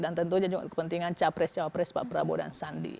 dan tentunya juga kepentingan capres capres pak prabowo dan sandi